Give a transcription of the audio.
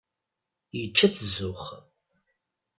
Yečča-t zzux.